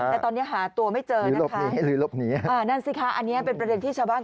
แต่ตอนนี้หาตัวไม่เจอนะครับนั่นสิคะอันนี้เป็นประเด็นที่ชาวบ้าง